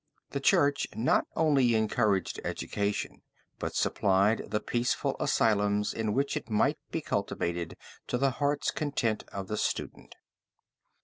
The church not only encouraged education, but supplied the peaceful asylums in which it might be cultivated to the heart's content of the student.